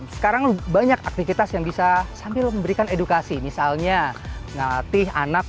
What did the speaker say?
sekarang banyak aktivitas yang bisa sambil memberikan edukasi misalnya ngelatih anak